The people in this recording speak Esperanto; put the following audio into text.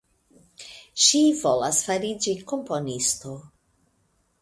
Ŝi volas fariĝi komponisto.